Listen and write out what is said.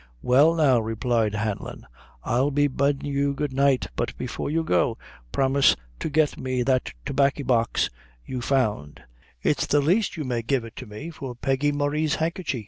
"Well, now," replied Hanlon, "I'll be biddin' you good night; but before you go, promise to get me that tobaccy box you found; it's the least you may give it to me for Peggy Murray's handkerchy."